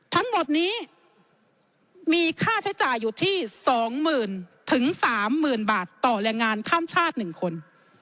ทั้งหมดนี้มีค่าใช้จ่ายอยู่ที่๒๐๐๐๓๐๐๐บาทต่อแรงงานข้ามชาติ๑คน